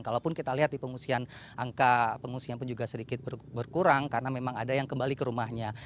kalaupun kita lihat di pengungsian angka pengungsian pun juga sedikit berkurang karena memang ada yang kembali ke rumahnya